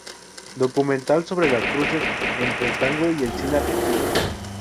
Documental sobre los cruces entre el tango y el cine argentino.